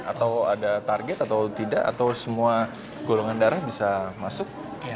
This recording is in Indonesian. atau ada target atau tidak atau semua golongan darah bisa masuk